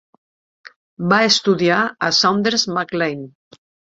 Va estudiar a Saunders Mac Lane.